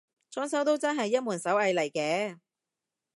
裝修都真係一門手藝嚟嘅